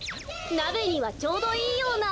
なべにはちょうどいいような。